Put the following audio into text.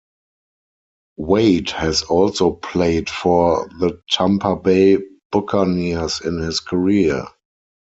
Wade has also played for the Tampa Bay Buccaneers in his career.